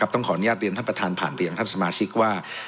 ต้องขออนุญาตเรียนท่านประธานผ่านไปยังท่านสมาชิกว่า